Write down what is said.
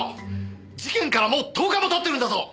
事件からもう１０日も経ってるんだぞ！